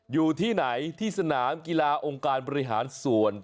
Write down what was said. อยู่ที่ไหนที่สนามกีฬาองค์การบริหารส่วน